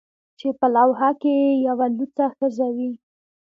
چې په لوحه کې یې یوه لوڅه ښځه وي